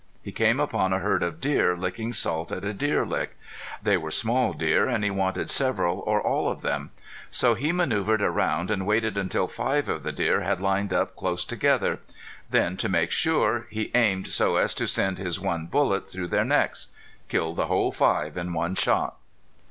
He came upon a herd of deer licking salt at a deer lick. They were small deer and he wanted several or all of them. So he manoeuvred around and waited until five of the deer had lined up close together. Then, to make sure, he aimed so as to send his one bullet through their necks. Killed the whole five in one shot!